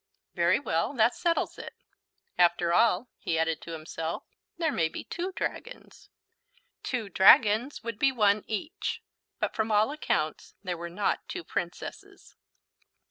"Very well, that settles it. After all," he added to himself, "there may be two dragons." Two dragons would be one each. But from all accounts there were not two Princesses.